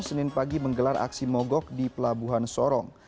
senin pagi menggelar aksi mogok di pelabuhan sorong